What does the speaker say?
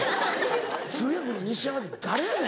通訳のニシヤマって誰やねん。